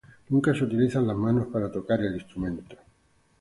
Nunca se utilizan las manos para tocar el instrumento.